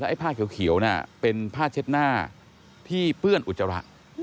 ไอ้ผ้าเขียวเป็นผ้าเช็ดหน้าที่เปื้อนอุจจาระ